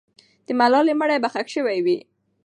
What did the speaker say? د ملالۍ مړی به ښخ سوی وي.